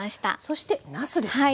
そしてなすですね。